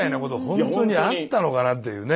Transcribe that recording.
本当にあったのかなっていうね。